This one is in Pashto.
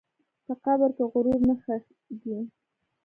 په قبر کې غرور نه ښخېږي.